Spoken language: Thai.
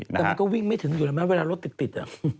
แต่มันก็วิ่งไม่ถึงอยู่แล้วไหมเวลารถติด